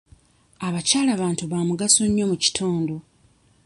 Abakyala bantu ba mugaso nnyo mu kitundu.